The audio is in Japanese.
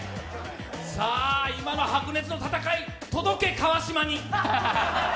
さあ、今の白熱の戦い、届け川島に！